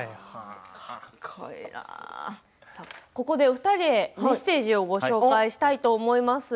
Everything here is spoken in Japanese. お二人にメッセージをご紹介したいと思います。